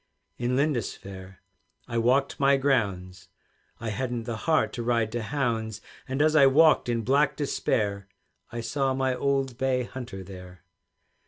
In Lindisfaire I walked my grounds, I hadn't the heart to ride to hounds; And as I walked in black despair, I saw my old bay hunter there.